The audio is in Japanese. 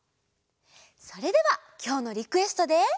それではきょうのリクエストで。